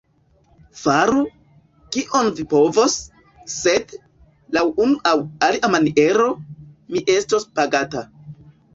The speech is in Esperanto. Faru, kion vi povos; sed, laŭ unu aŭ alia maniero, mi estos pagata.